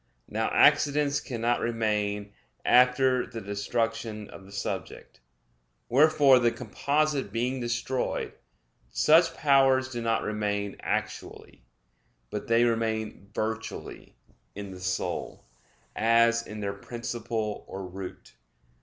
Now accidents cannot remain after the destruction of the subject. Wherefore, the composite being destroyed, such powers do not remain actually; but they remain virtually in the soul, as in their principle or root.